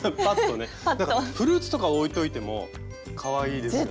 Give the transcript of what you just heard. なんかフルーツとか置いといてもかわいいですよね。